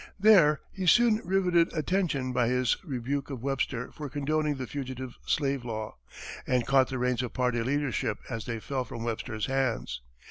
There he soon rivetted attention by his rebuke of Webster for condoning the Fugitive Slave Law, and caught the reins of party leadership as they fell from Webster's hands.